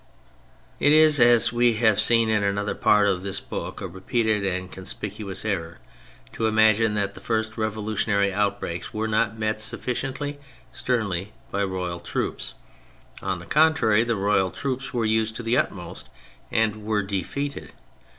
It is, as we have seen in another part of this book, a repeated and conspicuous error to imagine that the first revolutionary out breaks were not met sufficiently sternly by royal troops. On the contrary, the royal troops were used to the utmost and were defeated.